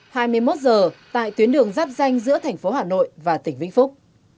hai mươi một h tại tuyến đường giáp danh giữa tp hà nội và tỉnh vĩnh phúc